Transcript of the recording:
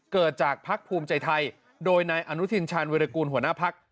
เกิดจากภักดิ์ภูมิใจไทยโดยนายอนุทินชาญวิรากูลหัวหน้าพัก